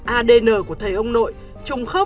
adn của thầy ông nội trùng khớp